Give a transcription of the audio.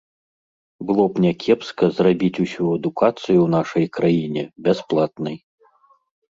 Было б някепска зрабіць усю адукацыю ў нашай краіне бясплатнай.